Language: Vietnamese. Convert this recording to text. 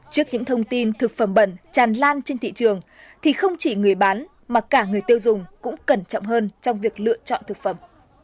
trước những thông tin thực phẩm bẩn tràn lan trên thị trường thì không chỉ người bán mà cả người tiêu dùng cũng cẩn trọng hơn trong việc lựa chọn thực phẩm